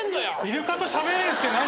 イルカとしゃべれるって何？